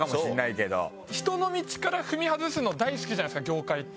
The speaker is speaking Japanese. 人の道から踏み外すの大好きじゃないですか業界って。